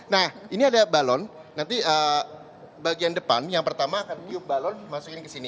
nah ini ada balon nanti bagian depan yang pertama akan tiup balon masukin ke sini